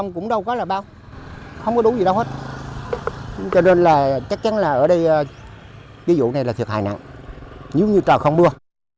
cho nên là chắc chắn là ở đây cái vụ này là thiệt hại nặng giống như trò không mưa